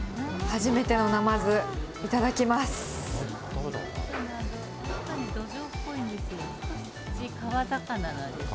初めてのナマズ、いただきます。